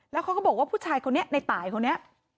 แล้วเขาก็บอกว่าผู้ชายคนนี้ในตายคนนี้